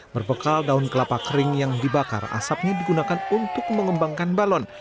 berbekal daun kelapa kering yang dibakar asapnya digunakan untuk mengembangkan balon